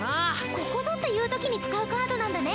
ここぞっていうときに使うカードなんだね！